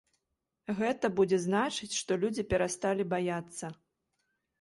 Гэта будзе значыць, што людзі перасталі баяцца.